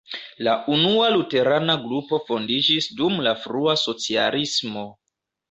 La unua luterana grupo fondiĝis dum la frua socialismo.